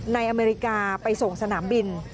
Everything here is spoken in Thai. อเมริกาไปส่งสนามบิน